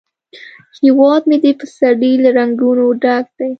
هیواد مې د پسرلي له رنګونو ډک دی